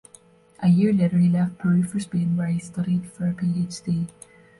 A year later, he left Peru for Spain, where he studied for a PhD.